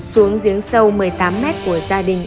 xuống giếng sâu một mươi tám mét của gia đình